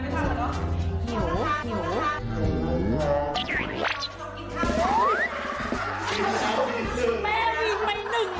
แม่วิ่งไปหนึ่งแล้วน่ะ